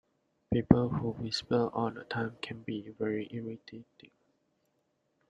People who whisper all the time can be very irritating